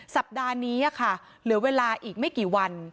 สัปดาห์นี้ค่ะเหลือเวลาอีกไม่กี่วัน